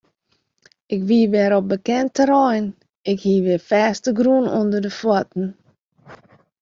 Ik wie wer op bekend terrein, ik hie wer fêstegrûn ûnder de fuotten.